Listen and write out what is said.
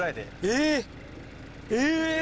えっ！え！